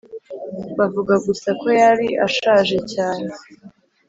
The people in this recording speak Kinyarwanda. bavuga gusa ko yari ashaje cyane.